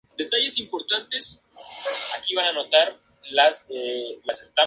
Su propuesta se centró en mejorar la economía y aumentar la oportunidad de empleo.